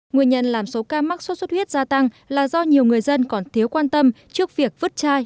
nguyên nhân làm số ca mắc sốt xuất huyết gia tăng là do nhiều người dân còn thiếu quan tâm trước việc vứt chai